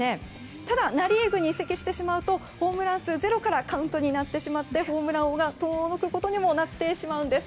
ただ、ナ・リーグに移籍してしまうとホームラン数ゼロからカウントになってしまってホームラン王が遠のくことにもなってしまうんです。